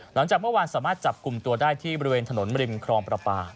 หลังจากเมื่อวานสามารถจับกลุ่มตัวได้ที่บริเวณถนนริมครองประปา